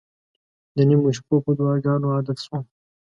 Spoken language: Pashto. د نیمو شپو په دعاګانو عادت شوم.